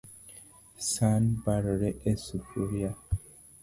San obarore e i sufria